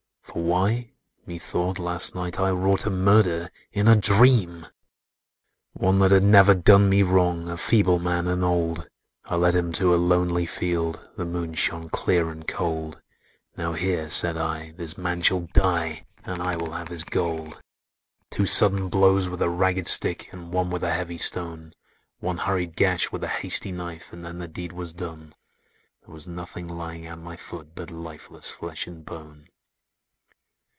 For why, Methought last night I wrought A murder, in a dream! "One that had never done me wrong— A feeble man and old; I led him to a lonely field, The moon shone clear and cold: Now here, said I, this man shall die, And I will have his gold! "Two sudden blows with a ragged stick, And one with a heavy stone, One hurried gash with a hasty knife,— And then the deed was done: There was nothing lying at my foot But lifeless flesh and bone!